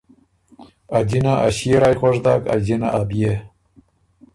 ا جنه ا ݭيې رایٛ خوش داک ا جِنه ا بيې۔